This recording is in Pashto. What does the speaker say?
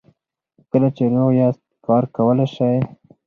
کله چې روغ یاست کار کولی شئ.